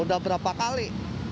udah berapa kali